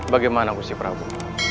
bagaimana busy prabu